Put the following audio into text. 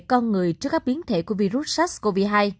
con người trước các biến thể của virus sars cov hai